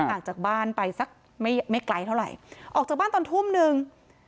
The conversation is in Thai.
ห่างจากบ้านไปสักไม่ไม่ไกลเท่าไหร่ออกจากบ้านตอนทุ่มนึง